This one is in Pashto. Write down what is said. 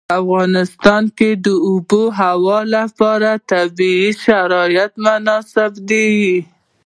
په افغانستان کې د آب وهوا لپاره طبیعي شرایط مناسب دي.